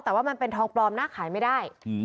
แต่ว่ามันเป็นทองปลอมนะขายไม่ได้